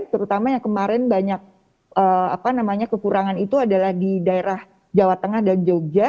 terutama yang kemarin banyak kekurangan itu adalah di daerah jawa tengah dan jogja